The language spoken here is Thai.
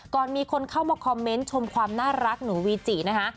ก่อนมีคนเข้ามาคอมเมนต์ชมความน่ารักหนูวีจินะคะ